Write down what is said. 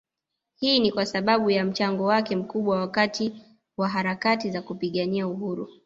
Hii ni kwasababu ya mchango wake mkubwa wakati wa harakati za kupigania uhuru